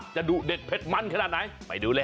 ดุเด็ดเผ็ดมันขนาดไหนไปดูเลย